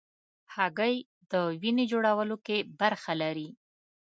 هګۍ د وینې جوړولو کې برخه لري.